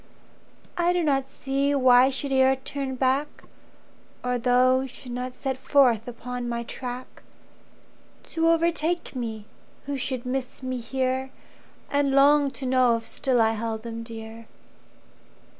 I do not see why I should e'er turn back, Or those should not set forth upon my track To overtake me, who should miss me here And long to know if still I held them dear.